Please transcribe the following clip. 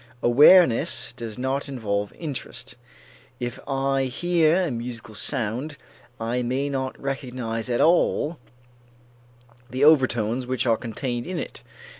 Awareness does not involve interest. If I hear a musical sound, I may not recognize at all the overtones which are contained in it.